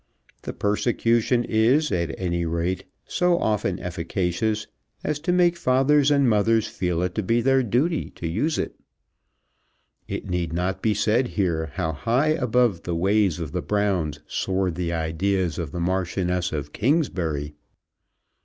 The persecution is, at any rate, so often efficacious as to make fathers and mothers feel it to be their duty to use it. It need not be said here how high above the ways of the Browns soared the ideas of the Marchioness of Kingsbury.